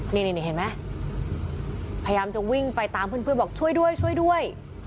นี่เห็นไหมพยายามจะวิ่งไปตามเพื่อนบอกช่วยด้วยช่วยด้วย